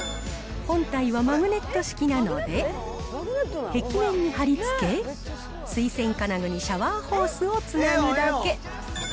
本体はマグネット式なので、壁面に貼り付け、水栓金具にシャワーホースをつなぐだけ。